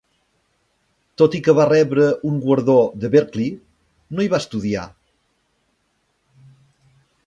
Tot i que va rebre un guardó de Berklee, no hi va estudiar.